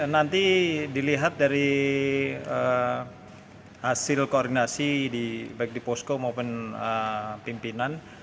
nanti dilihat dari hasil koordinasi baik di posko maupun pimpinan